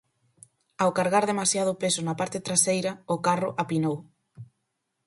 Ao cargar demasiado peso na parte traseira, o carro apinou